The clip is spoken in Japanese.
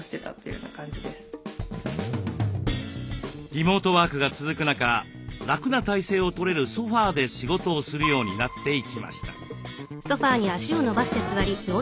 リモートワークが続く中楽な体勢をとれるソファーで仕事をするようになっていきました。